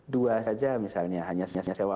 dua saja misalnya hanya sinya sewa